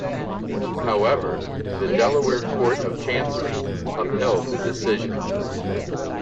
However, the Delaware Court of Chancery upheld the decision.